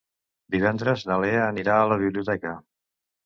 Divendres na Lea anirà a la biblioteca.